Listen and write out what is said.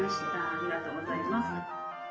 ありがとうございます。